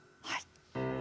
はい。